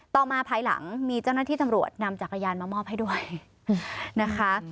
ต่อมาภายหลังมีเจ้าหน้าที่ตำรวจนำจักรยานมามอบให้ด้วยนะคะ